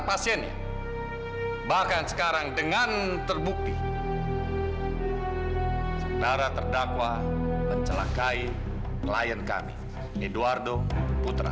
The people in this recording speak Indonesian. pasiennya bahkan sekarang dengan terbukti saudara terdakwa mencelakai klien kami midoardo putra